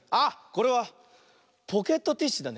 これはポケットティッシュだね。